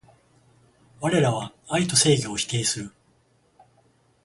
われらは愛と正義を否定する